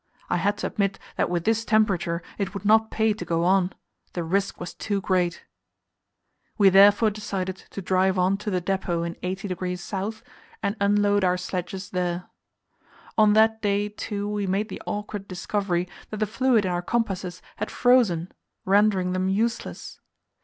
I had to admit that with this temperature it would not pay to go on; the risk was too great. We therefore decided to drive on to the depot in 80° S., and unload our sledges there. On that day, too, we made the awkward discovery that the fluid in our compasses had frozen, rendering them useless.